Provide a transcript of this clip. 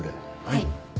はい。